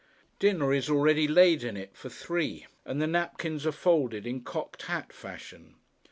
Dinner is already laid in it for three; and the napkins are folded in cocked hat fashion.